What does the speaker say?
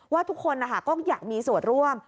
ว่าทุกคนก็อยากมีส่วนร่วม